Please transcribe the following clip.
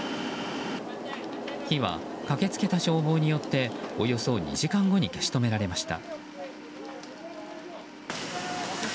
火は、駆け付けた消防によっておよそ２時間後に消し止められました。